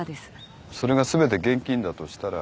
それが全て現金だとしたら。